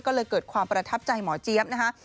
ก็เลยเกิดความประทับใจหมอเจี๊ยบนะคะ